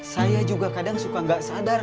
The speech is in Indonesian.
saya juga kadang suka gak sadar